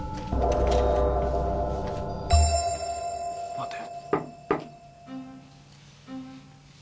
待て。